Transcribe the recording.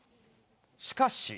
しかし。